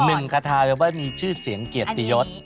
หนึ่งคาทาเรียกว่ามีชื่อเสียงเกียรติยศ